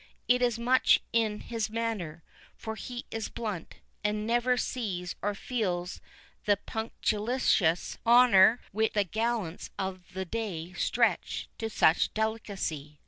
It is much in his manner; for he is blunt, and never sees or feels the punctilious honour which the gallants of the day stretch to such delicacy."